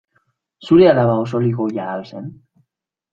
Zure alaba oso ligoia al zen?